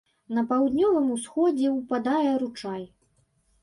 На паўднёвым усходзе ўпадае ручай.